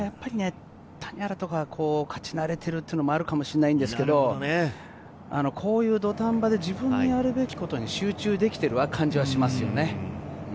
谷原とか、勝ち慣れてるっていうのもあると思うんですけど、こういう土壇場で自分のやるべきことに集中できている感じはしますよね。